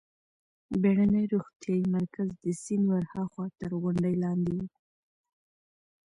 بېړنی روغتیايي مرکز د سیند ورهاخوا تر غونډۍ لاندې و.